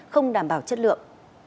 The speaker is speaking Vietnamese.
không đảm bảo chất lượng